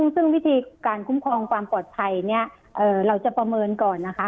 ซึ่งวิธีการคุ้มครองความปลอดภัยเนี่ยเราจะประเมินก่อนนะคะ